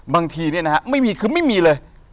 บางทีเนี่ยนะฮะไม่มีคือไม่มีเลย